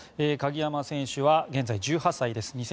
鍵山選手は現在１８歳です。